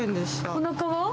おなかは？